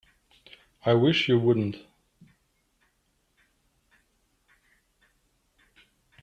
I wish you wouldn't.